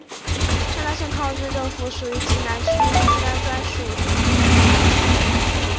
沙南县抗日政府属于冀南区第三专署管辖。